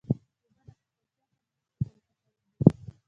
اوبه د ککړتیا پر ضد ساتل پکار دي.